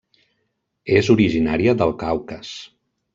És originària del Caucas.